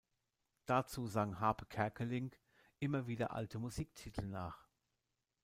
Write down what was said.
Dazu sang Hape Kerkeling immer wieder alte Musiktitel nach.